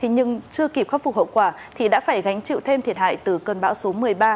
nhưng chưa kịp khắc phục hậu quả thì đã phải gánh chịu thêm thiệt hại từ cơn bão số một mươi ba